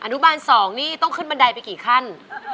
นุบาล๒นี่ต้องขึ้นบันไดไปกี่ขั้น